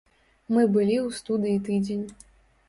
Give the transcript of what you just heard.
Мы былі ў студыі тыдзень.